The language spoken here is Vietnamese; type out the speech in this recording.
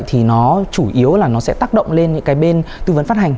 thì nó chủ yếu là nó sẽ tác động lên những cái bên tư vấn phát hành